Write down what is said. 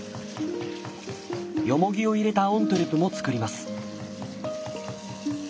ヨモギを入れたオントゥレも作ります。